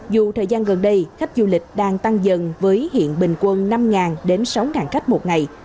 dù thời gian gần đây khách du lịch đang tăng dần với hiện bình quân năm đến sáu khách một ngày